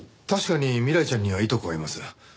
確かに未来ちゃんにはいとこがいます。